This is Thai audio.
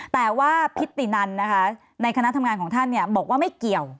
แต่ว่าพิตินันนะคะในคณะทำงานของท่านบอกว่าไม่เกี่ยว